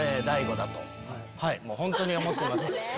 もうホントに思ってます。